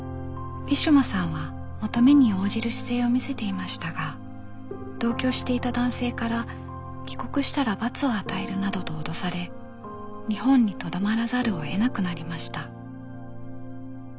ウィシュマさんは求めに応じる姿勢を見せていましたが同居していた男性から「帰国したら罰を与える」などと脅され日本にとどまらざるをえなくなりました。